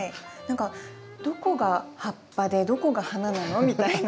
何かどこが葉っぱでどこが花なのみたいな。